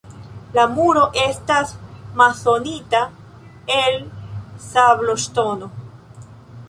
La muro estas masonita el sabloŝtono.